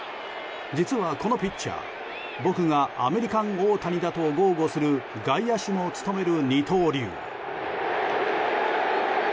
実は、このピッチャー僕がアメリカン・オオタニだと豪語する外野手も務める二刀流。